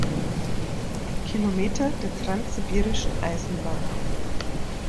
Kilometer der Transsibirischen Eisenbahn.